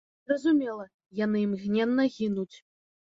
Зразумела, яны імгненна гінуць.